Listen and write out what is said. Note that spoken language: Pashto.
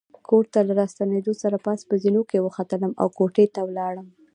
کور ته له راستنېدو سره پاس په زینو کې وختلم او کوټې ته ولاړم.